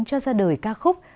cho ra đời ca khúc